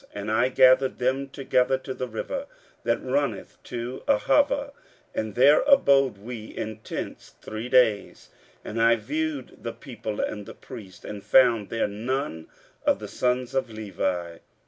15:008:015 And I gathered them together to the river that runneth to Ahava; and there abode we in tents three days: and I viewed the people, and the priests, and found there none of the sons of Levi.